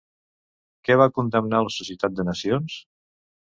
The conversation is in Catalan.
Què va condemnar la Societat de Nacions?